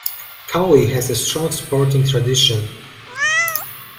Cowley has a strong sporting tradition.